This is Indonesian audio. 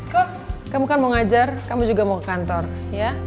kok kamu kan mau ngajar kamu juga mau ke kantor ya